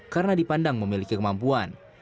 karena dipandang memiliki kemampuan